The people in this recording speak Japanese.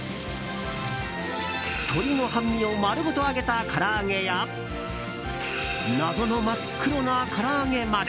鶏の半身を丸ごと揚げたから揚げや謎の真っ黒なから揚げまで